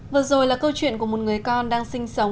vừa rồi là câu chuyện của một người con đang sinh sống